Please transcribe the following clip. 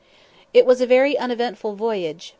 It was a very uneventful voyage.